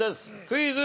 クイズ。